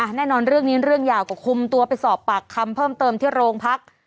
แน่นอนเรื่องนี้เรื่องยาวก็คุมตัวไปสอบปากคำเพิ่มเติมที่โรงพัก